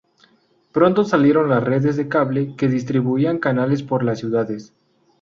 Pronto salieron las redes de cable que distribuían canales por las ciudades.